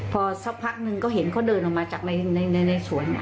พอซะพักหนึ่งก็เห็นเค้าเดินออกมาจากในสวนเนี่ย